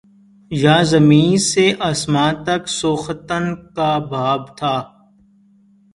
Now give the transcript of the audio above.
یاں زمیں سے آسماں تک سوختن کا باب تھا